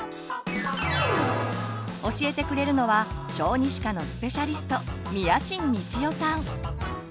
教えてくれるのは小児歯科のスペシャリスト